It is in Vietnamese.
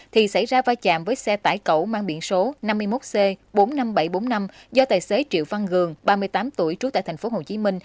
thì xảy ra vai chạm với xe tải cẩu mang biện số năm mươi một c bốn mươi năm nghìn bảy trăm bốn mươi năm do tài xế triệu văn gường ba mươi tám tuổi trú tại tp hcm